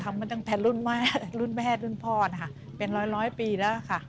ทำมาตั้งแต่รุ่นรุ่นแพทย์รุ่นพ่อนะค่ะเป็นร้อยร้อยปีแล้วค่ะ